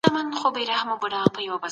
د دوی عقیده یوازې د ښودلو لپاره ده.